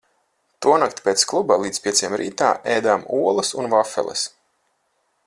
Tonakt pēc kluba līdz pieciem rītā ēdām olas un vafeles.